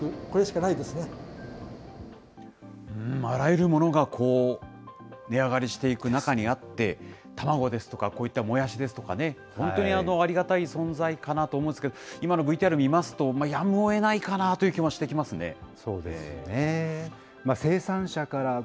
あらゆるものが値上がりしていく中にあって、卵ですとか、こういったもやしですとかね、本当にありがたい存在かなと思うんですけど、今のＶＴＲ見ますと、やむをえないかなという気もしてきますね。